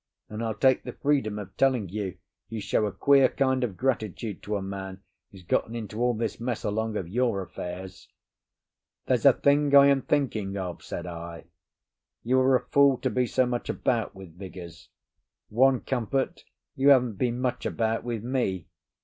And I'll take the freedom of telling you you show a queer kind of gratitude to a man who's got into all this mess along of your affairs." "There's a thing I am thinking of," said I. "You were a fool to be so much about with Vigours. One comfort, you haven't been much about with me.